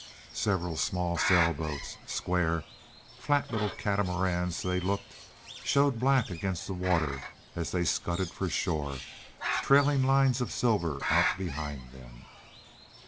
Several small sailboats, square, flat little catamarans, they looked, showed black against the water as they scudded for shore, trailing lines of silver out behind them.